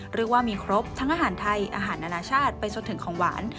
เรียกว่ามีครบทั้งอาหารไทยอาหารนานาชาติไปจนถึงของหวาน